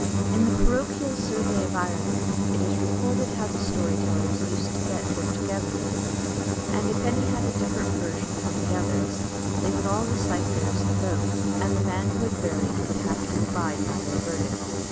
In the Parochial Survey of Ireland it is recorded how the story tellers used to gather together of an evening, and if any had a different version from the others, they would all recite theirs and vote, and the man who had varied would have to abide by their verdict.